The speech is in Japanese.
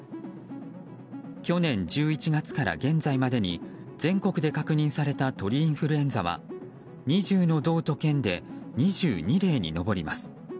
去年１１月から現在までに全国で確認された鳥インフルエンザは２０の道と県で２２例に上ります。